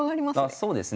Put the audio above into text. あそうですね。